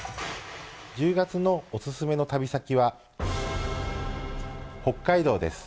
１０月のお勧めの旅先は、北海道です。